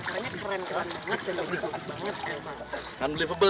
karang karengnya keren keren banget dan lebih sempurna